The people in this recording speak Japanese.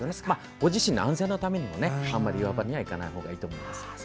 ご自身の安全のためにもあまり岩場には行かない方がいいと思います。